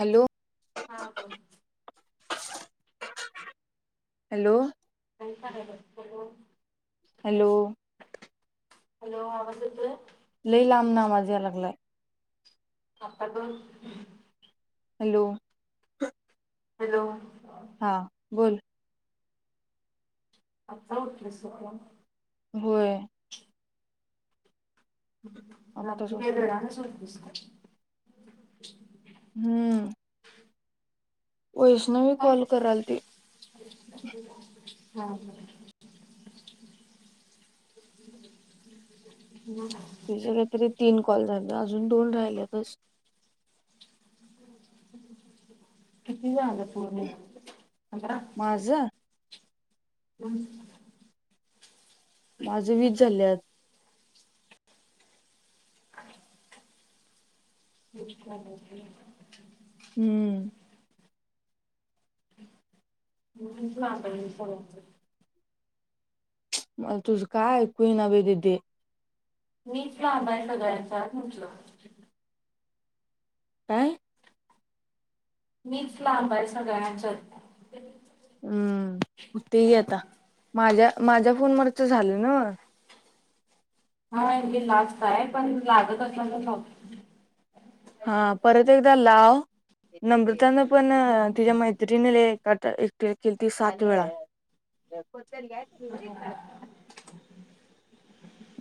Hello हा बोलोल hello ख ब हॅलो हॅलो आवाज येतोय लई लांबना आवाज या लागलाय आ पा दोन हॅलो हॅलो हा बोल आता उटलीस तू पण होय. आत्ताच काय उठलो दडानचच सोडतीस की. हम्म वैष्णवी काय कॉल कराल ती. हा ह हम् तीचा काय तरी तीन कॉल झालं अजून दोन राहिलेतस. किती झालं पूर्ण पंधरा. माझं हम् माझं वीस झाल्यात. [unintelligible] हम्म म्हणून [unintelligible] मला तुझं काय ऐकू येईना बाई दिदे. मीच लांब आहे सगळ्यांच्यात म्हटलं. काय? मीच लांब आहे सगळ्यांच्यात. हम्म होतंय की आता माझ्या माझ्या फोनवरचं झालं ना. हाे लास्ट आहे पण लागत असला तर लावते. हा परत एकदा लाव नम्रतानं पण हम्म. तिच्या मैत्रीणीला एक कट केलती सात वेळा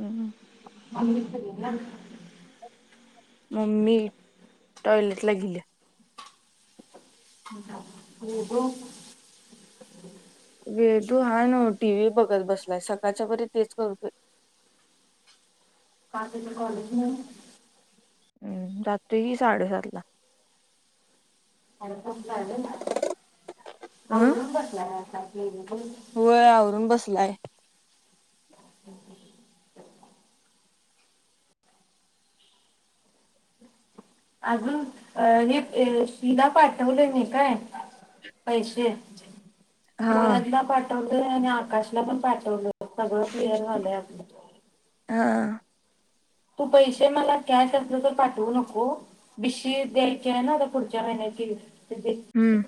हम्. मम्मीच मम्मी टॉयलेटला गेल्या हो गं वेदू हाय ना टी व्ही बघत बसले सकाळच्या परी तेच करतोय का कॉलेज म हम्म जातोय की साडेसातला आणि अं पआवरुन बसलाय होय आवरून बसलाय [unintelligible] अजून अ हे शिला पाठवलं नाही काय पैसे हा. वरदला पण पाठवलोय आणि आकाशला पण पाठवलं सगळं क्लिअर झालंय आपलं हा तू पैसे मला कॅश असले तर पाठवू नको हो बिशी द्यायचे आहे ना पुढच्या महिन्याची तेची हम्म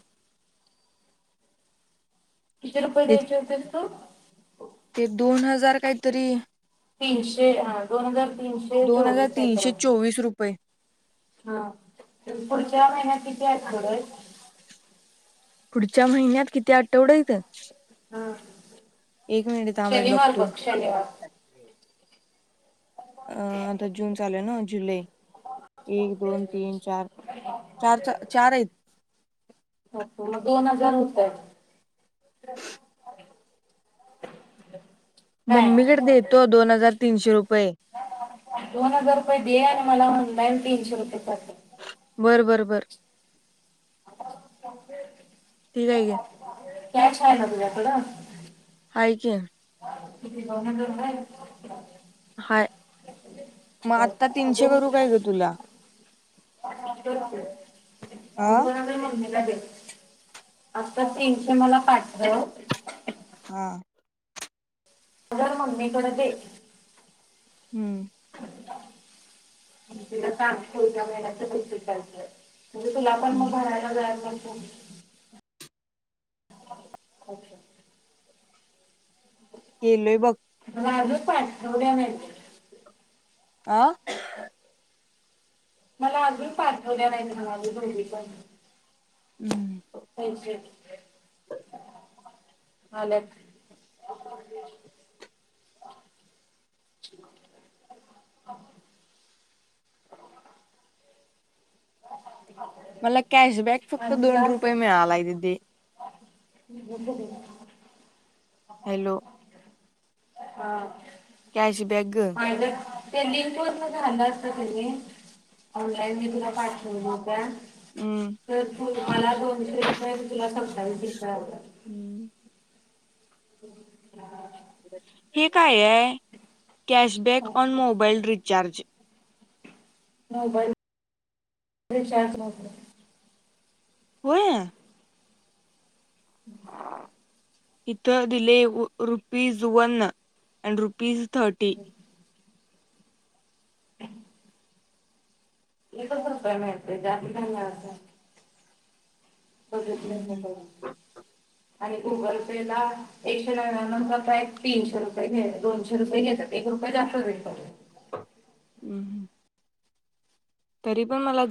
किती रुपये ते द्यायचे होतेस तू ते दोन हजार काहीतरी तीनशे अ दोन हजार तीनशे दोन हजार चोवीस काय तर तीनशे चोवीस रुपये. हायहा पुढच्या महिन्यात [unintelligible] पुढच्या महिन्यात किती आठवडे येत्यात हा थांब एक शनिवार बघतो बघ शनिवार अं आता जून चालूय ना जुलै एक दोन तीन चार चार चार आहेत हो मग दोन हजार होतंय मम्मीकडे काय देतो दोन हजार तीनशे रुपये दोन हजार रुपये दे आणि मला आँनलाईन तीनशे रुपये कर बरं बरं बर आता ठीक आहे गे कॅश आहे ना तुझ्याकडं आहे कि किती दोन हजार आहेत हाय मग आता आहे तीनशे करू काय गं तुला हा कर कि हा आणि दोन हजार महिन्यानं आता तीनशे मला पाठव हा अर मम्मी कड दे हम्म पा मच कतीयच म्हणजे तुला पण मग भरायला जारा करत अच्छा् के ल बघ ोड्या म आ मला अजून पाठवल्या नाही म अजूनली पण हमज हले मला कॅशबॅक फक्त दोन रुपये मिळालाय तिथे ह् बंदले हॅलो हा कॅशबॅक ग ह तेलपर झालं असत त का मी तुला पाठव ना त्या हम्म तर तू मला दोनशे रुपयेी तुला सताावी त का हम्म ह ह हे काय आहे कॅशबॅक ऑन मोबाइल रिचार्ज होई होय हम् इथं दिले रुपी जुवन्न अ रुपी थर्टी हम. एक रुपय मिळतेे जास्ती कात. हो नाही आणि गुगल पे ला एकशे नव्याणव प्रय तीनशे रुपये घ दोनशे रुपये घेतात. रुपये जास्त वेल. हम्म हम. तरी पण मन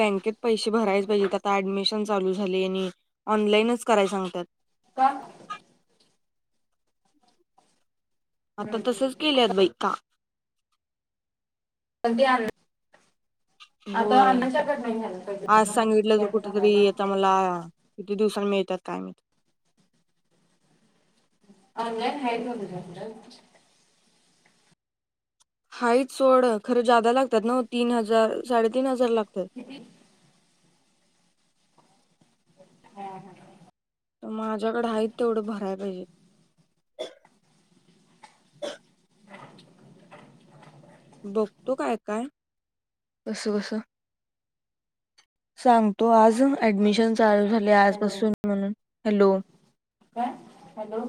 बेत प भडमशनल. नच कराय सांगतात. का. आता पण तसच केल्यात बई का क. होय पाहिजे ते आज पण सांगितलं तरर कॅम्प कुठेतरी भरायला यता मला. ते दिवसन मिळतात काय म. अ न हयन वोल. हा सडं खरं जादा लागतात ना तीन हजार साडेतीीन हजार लागतात ह हा हा तर माझ्याकडे आहे तेवढं भराय पाहिजे [unintelligible] बघतो काय काय कस कस सांगतो आज ऍडमिशन चालू झाले आजपासून म्हणून हॅलो काय हॅलो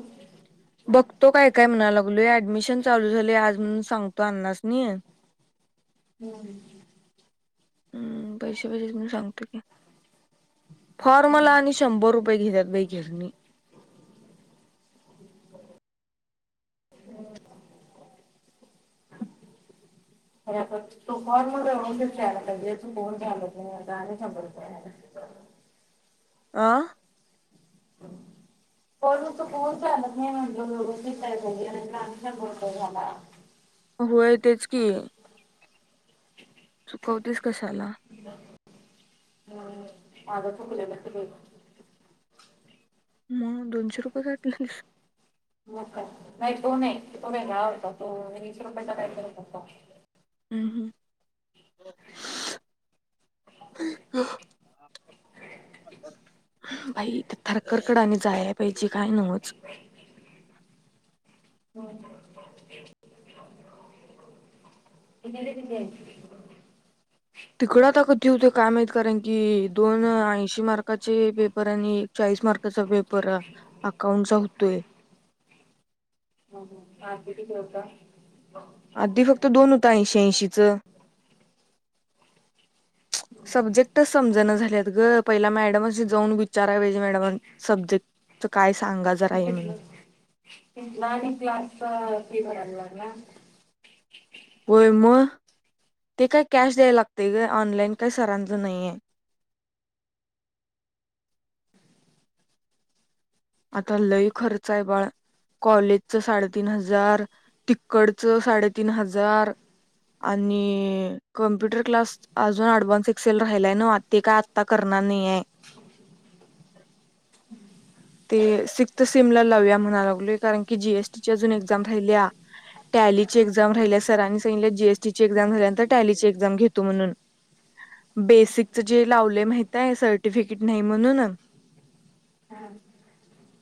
बघतो काय काय म्हणालागलो ऍडमिशन चालू झाले आज म्हणून सांगतो अन्नासनी हम्म हम्म पैसे पैसेून सांगतो की फॉर्मला आणि शंभर रुपये घेतत बेघरणी ह अरे आता तुफान मध्ये ळलाहिजेून फोन झात नाही हो आ सपूर झा म्हटल दोन हो य तेच कि चुकवतीस कशाला हम्म, माझं चुकलेलं [unintelligible] मग दोनशे रुपये गठलेस हो का नाही तो नाही तो वेगळा होता म्हण वीस रुपयाचा काही करू करतो हम् हम् ह बाईथ थरककडा आणि जायला पाहिजे काय नवच होम इन ते तन तिकडं आ के होते काम आहेत कारण की दोन ऐशी मार्काचे पेपर आणि एक मार्कचा पेपर अकाऊंट चा होतोय ह ह हती स्वत आधी फक्त दोन होता ऐंशी ऐंशीच [inaudible] सब्जेक्टच समजण झालेत ग पहिला मॅडमशी जाऊन विचारा पाहिजे मॅडम सब्जेक्ट त काय सांगा जरा आहे म्हणून तथलं तिला आणि क्लास ते करायला लागला व्हय म ते काय कॅश द्याय लागतय का ऑनलाइन काही सरांच नाहीय [inaudible] आता लय खर्च आहे बाळ कॉलेजचं साडेतीन हजार तिकडच साडेतीन हजार आणि कंप्युटर क्लास अजून अडवान्स एक्सेल राहिलाय ना ते काय आता करणार नहिय हम् ते सिक्स्थ सिम ला लाव्या म्हणा लागलोय कारण की जीएसटीच्या अजून एक्झाम राहिल्या टॅली ची एक्झाम राहिल्या सरांनी सांगितले जीएस टीची एक्झाम म झाल्यानंतर टॅली एक्झाम घेत म्हणून बेसिक जे लावले माहिताय आहे सर्टिफिकेट नाही म्हणून हा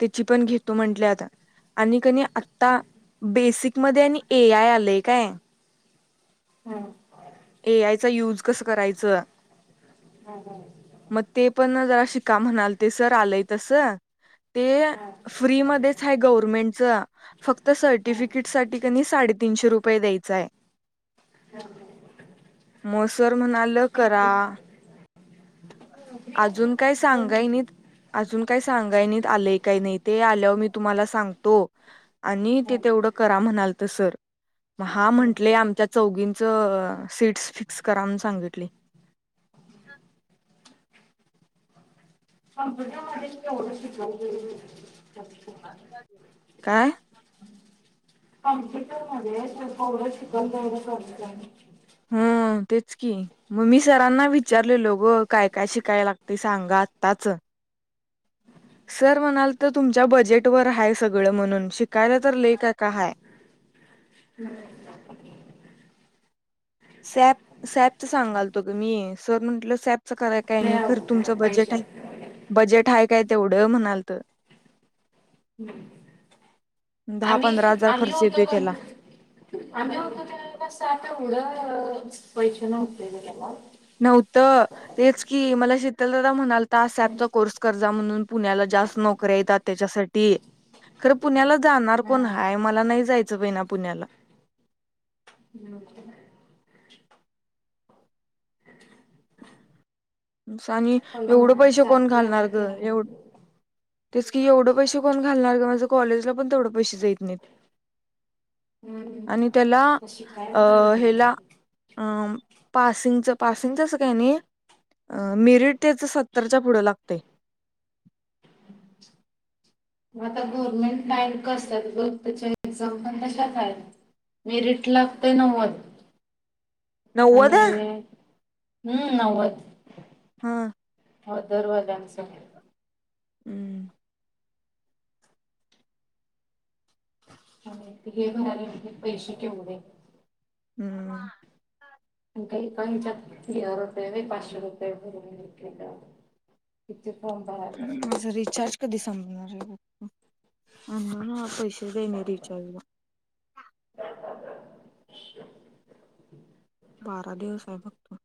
तिची पण घेतो म्हंटल्या आता आणि कणी आता बेसिकमध्ये आणि एआय आलंय काय हां एआयचा यूज कसं करायचं हा हा मग ते पण जरा शिका म्हणाल ते सर आलय तस ते हां फ्री मधेच आहे गव्हर्मेंटच फक्त हां सर्टिफिकेट साठी क नि साडे तीनशे रुपये द्यायचाय. हा म सर म्हणाल करा अजून काय सांगाय नाहीत अजून काय स सांगाय नाहीत आलय काही नाही ते आल्यावर मी तुम्हाला सांगतो आणि तेि तेवढं करा म्हणाल तर सर मग हा म्हंटले आमच्या चौघींच सीट्स फिक्स करा म्हनून सांगितले [unintelligible] [inaudible] काय? कॉम्प्युटर मध्ये जेवढं शिकल तेवढं कमीच हाय हम्म तेच की मम्मी सरांना विचारले लो गं काय काय शिकायला लागते सांगा आत्ताच. सर म्हणाल तर तुमच्या बजेट वर हाय सगळं म्हणून शिकायला तर लई काय काय हाय. हम्म सॅप सॅपच सांगाल तो ग मी सर म्हंटलं सॅप का खर तेवढं तुमच करत बजेट पैसे बजेट आहे. काय तेवढं म्हणालत. हम्म आम्ही पंधरा हजार आम्ही खर्च होतो येतोय त्याला कनि आम्ही होतो त्या कस तेवढं पैशान उठलेला तेव्हा. नव्हत तेच की मला शीतलदादा म्हणाल ता सॅपचा कोर्स करजा म्हणून पुण्याला. जास्त नोकऱ्या येतात त्याच्यासाठी. खरं पुण्याला जाणार कोण हां हाय मला नाही जायचं बैना पुण्याला. हम्म आणि एवढं पैसे कोण सातचं घालणार काय ग. केलं तेच की एवढं पैसे कोण घालणार गं माझं कॉलेजला पण तेवढं पैसे जैइत नाहीत. हम्म आणि त्याला शिकायला अ तर घालत हेला अ.. पासिंगचं पासिंगचंच अस काय नाही अ मेरिट त्याच सत्तरच्या पुढं लागतंय आता गव्हर्नमेंट [inaudible] असतात बघ त्याच्या एक्झाम पण तशाच आहेत मिरिट लागते नव्वद. नव्वद आणि हम्म नव्वद हा हा [inaudible] हम्म. आणि हे भरालेे पैसे केवढे. हम्म काही काहीच्या रुपये पाचशे रुपये भरून घेतलेलं. हम्म तुझ रिचार्ज कधी संपणार आहे? [inaudible] हा पैसे देणे रिचार्जला. [inaudible] बारा दिवस आहे फक्त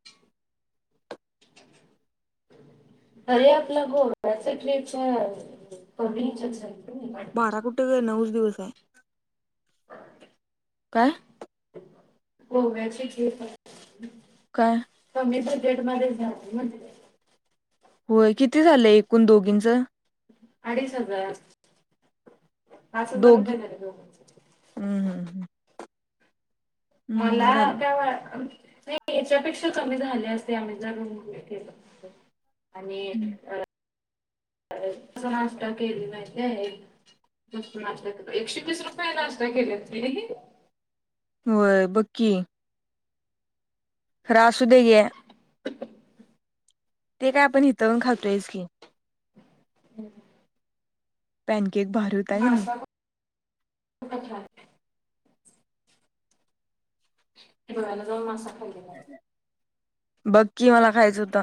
अरे आपला गोव्याचा ट्रिप्स च. बारा कुठे ग नऊच दिवस हाय काय? गोव्याची ट्रीप काय कमी बजेट बजेट मध्ये जाकी म्हने होय किती झालंय एकूण दोघींच? अडीच हजार पाच हजार रुपये दोघी झाले दोघींचे. हम्म हम्म मला हम्म झालं त्या वा नाही. याच्यापेक्षा कमी झाले असते. आम्ही जर केल आणि हं. अ त नाश्ता केली ते आहे. एकशे वीस रुपये नाशता केल्यात होय बघ की. अरे असु दे घ्या. ते काय आपण हित राहुन खातोयस की. हम्म पॅनकेक भारी होता आहे न. [unintelligible] धुळ्याला जाऊन मासाा खाल्लेला आहे. बघ कि मला खायचा होता.